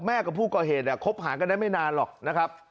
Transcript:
กับผู้ก่อเหตุคบหากันได้ไม่นานหรอกนะครับ